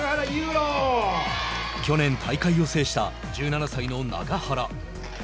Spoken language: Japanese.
去年、大会を制した１７歳の永原。